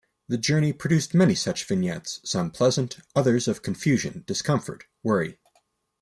The journey produced many such vignettes, some pleasant, others of confusion, discomfort, worry.